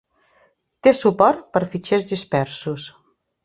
Té suport per fitxers dispersos.